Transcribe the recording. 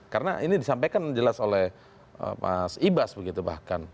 karena ini disampaikan jelas oleh mas ibas begitu bahkan